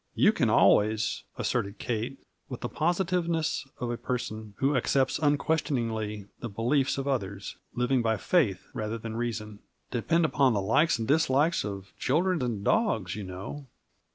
You can always," asserted Kate, with the positiveness of the person who accepts unquestioningly the beliefs of others, living by faith rather than reason, "depend upon the likes and dislikes of children and dogs, you know."